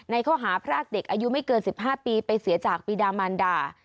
ในโครหาพระอาทิตย์อายุไม่เกิน๑๕ปีไปเสียจากปีดามันด่า